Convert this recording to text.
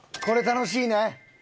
これ楽しいね。